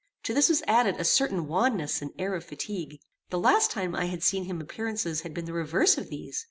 To this was added a certain wanness and air of fatigue. The last time I had seen him appearances had been the reverse of these.